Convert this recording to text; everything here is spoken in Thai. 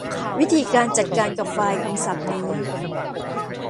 วิธีการจัดการกับไฟล์คำศัพท์นี้